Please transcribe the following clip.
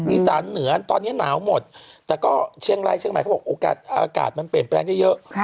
อีสานเหนือตอนนี้หนาวหมดแต่ก็เชียงรายเชียงใหม่เขาบอกโอกาสอากาศมันเปลี่ยนแปลงได้เยอะ